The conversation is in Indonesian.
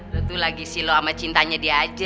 lu tuh lagi sih lo sama cintanya dia aja